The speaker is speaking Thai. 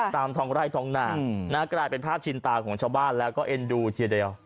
ตามท้องไร่ท้องนากลายเป็นภาพชินตาของชาวบ้านแล้วก็เอ็นดูทีเดียว